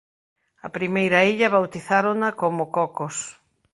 A primeira illa bautizárona como Cocos.